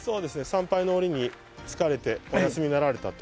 参拝の折に疲れてお休みになられたと。